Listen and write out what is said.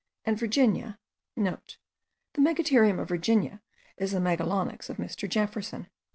and Virginia,* (* The megatherium of Virginia is the megalonyx of Mr. Jefferson.